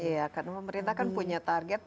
iya karena pemerintah kan punya target